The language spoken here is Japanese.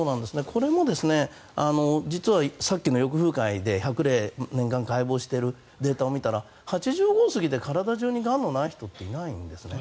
これも実はさっきの年間１００例解剖しているデータを見たら８５を過ぎて体中にがんがない人っていないんです。